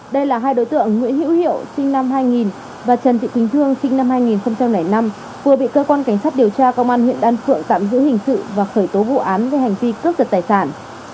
đây là hai đối tượng nguyễn hữu hiệu sinh năm hai nghìn và trần thị quỳnh thương sinh năm hai nghìn năm vừa bị cơ quan cảnh sát điều tra công an huyện đan phượng tạm giữ hình sự và khởi tố vụ án về hành vi cướp giật tài sản